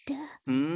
うん。